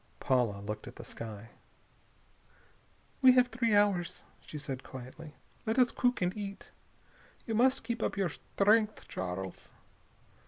Paula looked at the sky. "We have three hours," she said quietly. "Let us cook and eat. You must keep up your strength, Charles."